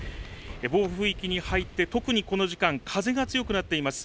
暴風域に入って特にこの時間、風が強くなっています。